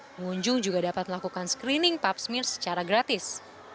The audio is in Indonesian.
pengunjung juga dapat melakukan screening pap smear secara gratis